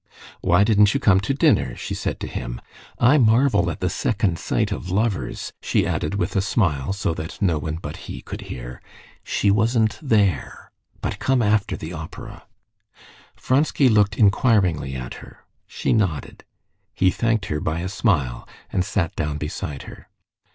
"Why didn't you come to dinner?" she said to him. "I marvel at the second sight of lovers," she added with a smile, so that no one but he could hear; "she wasn't there. But come after the opera." Vronsky looked inquiringly at her. She nodded. He thanked her by a smile, and sat down beside her.